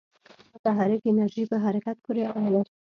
متحرک انرژی په حرکت پورې اړه لري.